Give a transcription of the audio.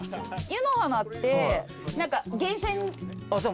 湯の花って何か源泉。